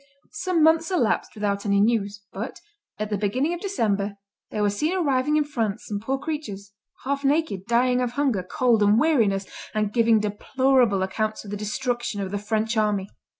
Some months elapsed without any news; but, at the beginning of December, there were seen arriving in France some poor creatures, half naked, dying of hunger, cold, and weariness, and giving deplorable accounts of the destruction of the French army.